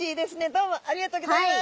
どうもありがとうギョざいます！